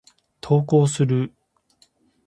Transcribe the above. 投稿する。